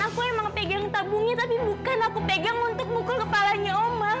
aku emang pegang tabungnya tapi bukan aku pegang untuk mukul kepalanya omang